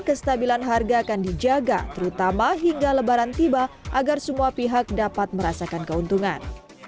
kestabilan harga akan dijaga terutama hingga lebaran tiba agar semua pihak dapat merasakan keuntungan